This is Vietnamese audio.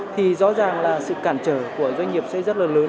thì rõ ràng là sự cản trở của doanh nghiệp sẽ rất là lớn